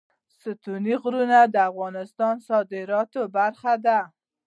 ستوني غرونه د افغانستان د صادراتو برخه ده.